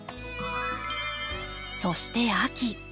そして秋。